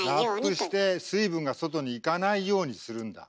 ラップして水分が外に行かないようにするんだ。